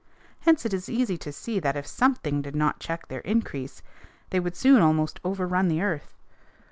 Hence it is easy to see that if something did not check their increase they would soon almost overrun the earth.